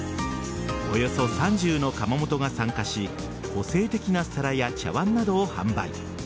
およそ３０の窯元が参加し個性的な皿や茶碗などを販売。